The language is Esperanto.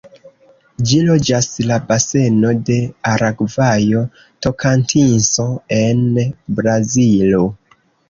Ĝi loĝas la baseno de Aragvajo-Tokantinso en Brazilo.